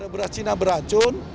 beras cina beracun